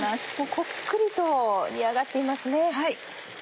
こっくりと煮上がっていますね。